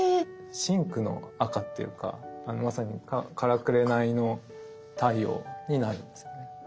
深紅の赤っていうかまさにからくれないの太陽になるんですよね。